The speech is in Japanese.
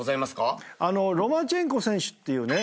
ロマチェンコ選手っていうね